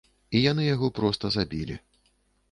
І яны яго проста забілі.